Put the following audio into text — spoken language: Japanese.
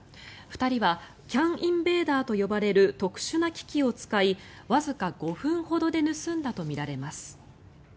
２人はＣＡＮインベーダーと呼ばれる特殊な機器を使いわずか５分ほどで盗んだとみられます。